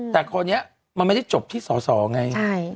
แต่คราวนี้มันไม่ได้จบที่สอสอไง